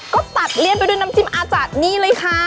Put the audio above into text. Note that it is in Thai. ก็ตัดเลี่ยนไปด้วยน้ำจิ้มอาจารย์นี่เลยค่ะ